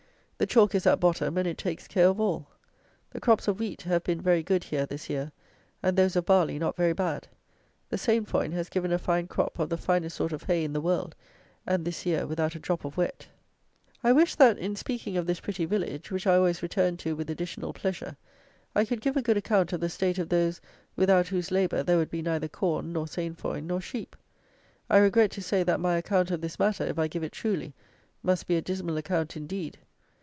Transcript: The chalk is at bottom, and it takes care of all. The crops of wheat have been very good here this year, and those of barley not very bad. The sainfoin has given a fine crop of the finest sort of hay in the world, and, this year, without a drop of wet. I wish, that, in speaking of this pretty village (which I always return to with additional pleasure), I could give a good account of the state of those, without whose labour there would be neither corn nor sainfoin nor sheep. I regret to say, that my account of this matter, if I give it truly, must be a dismal account indeed!